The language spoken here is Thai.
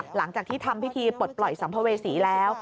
หลังจากที่ทำพิธีปลดปล่อยสัมภเวษีแล้ว